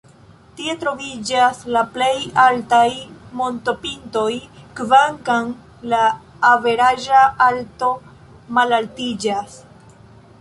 Tie troviĝas la plej altaj montopintoj, kvankam la averaĝa alto malaltiĝas.